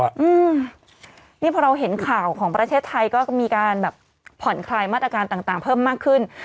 อืมนี่พอเราเห็นข่าวของประเทศไทยก็มีการแบบผ่อนคลายมาตรการต่างต่างเพิ่มมากขึ้น